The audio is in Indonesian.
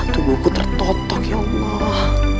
tubuhku tertotok ya allah